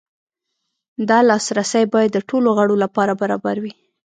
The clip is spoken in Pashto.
دا لاسرسی باید د ټولو غړو لپاره برابر وي.